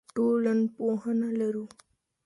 ټولنپوهنه لرو.